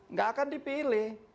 nggak akan dipilih